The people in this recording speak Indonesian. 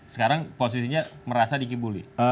sekarang posisinya merasa dikibully